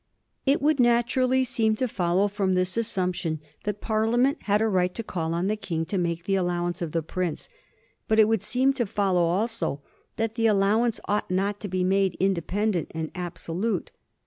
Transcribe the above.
It would naturally seem to follow from this assumption, that Parliament had a right to call on the King to make the allowance to the prince, but it would seem to follow also that the allowance ought not to be made independent and absolute.